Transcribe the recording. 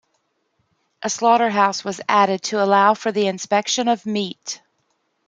A slaughter house was added to allow for the inspection of meat.